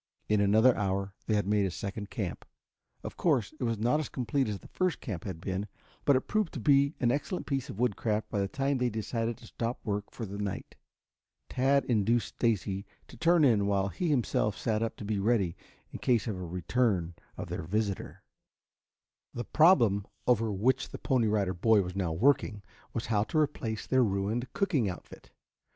In another hour they had made a second camp. Of course, it was not as complete as the first camp had been, but it proved to be an excellent piece of woodcraft by the time they decided to stop work for the night. Tad induced Stacy to turn in while he himself sat up to be ready in case of a return of their visitor. The problem over which the Pony Rider Boy was now working was how to replace their ruined cooking outfit.